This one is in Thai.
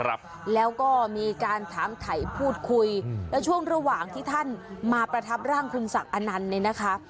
ครับแล้วก็มีการถามถ่ายพูดคุยแล้วช่วงระหว่างที่ท่านมาประทับร่างคุณศักดิ์อนันต์เนี่ยนะคะ